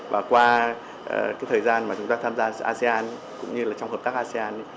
và qua thời gian chúng ta tham gia asean cũng như trong hợp tác asean